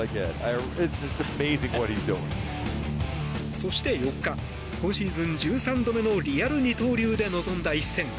そして４日今シーズン１３度目のリアル二刀流で臨んだ一戦。